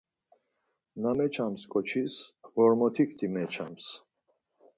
Na meçams ǩoçis Ğormotikti meçams.